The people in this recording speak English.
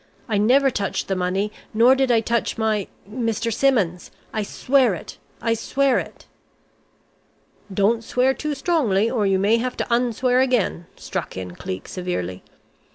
I never touched the money, nor did I touch my Mr. Simmons. I swear it, I swear it!" "Don't swear too strongly, or you may have to 'un swear' again," struck in Cleek, severely.